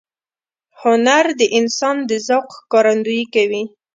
هنر د انسان د ذوق ښکارندویي کوي.